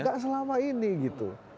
nggak selama ini gitu